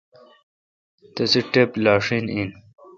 تسے ٹپ لاشین این۔